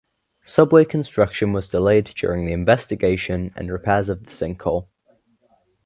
Subway construction was delayed during the investigation and repairs of the sinkhole.